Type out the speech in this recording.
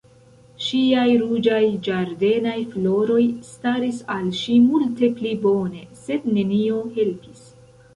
Ŝiaj ruĝaj ĝardenaj floroj staris al ŝi multe pli bone, sed nenio helpis.